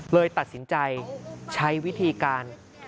เลยตัดสินใจใช้วิธีการ